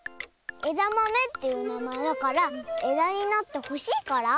えだまめっていうなまえだからえだになってほしいから？